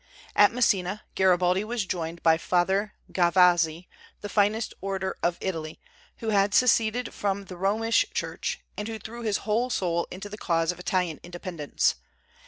At Messina, Garibaldi was joined by Father Gavazzi, the finest orator of Italy, who had seceded from the Romish Church, and who threw his whole soul into the cause of Italian independence.